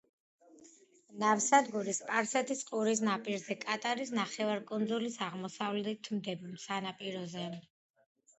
ნავსადგური სპარსეთის ყურის ნაპირზე, კატარის ნახევარკუნძულის აღმოსავლეთ სანაპიროზე.